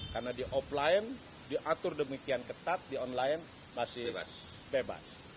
karena di offline diatur demikian ketat di online masih bebas